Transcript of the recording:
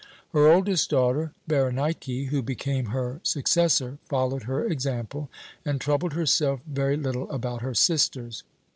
"Her oldest daughter, Berenike, who became her successor, followed her example, and troubled herself very little about her sisters.